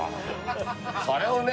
それをね